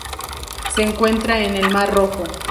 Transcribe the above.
Se encuentra en el Mar Rojo.